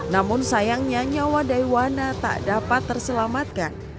namun sayangnya nyawa daiwana tak dapat terselamatkan